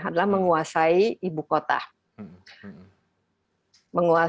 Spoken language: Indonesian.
adalah menguasai ibu kota